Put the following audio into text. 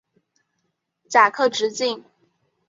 甲壳直径。